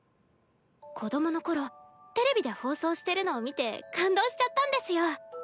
子どもの頃テレビで放送してるのを見て感動しちゃったんですよ。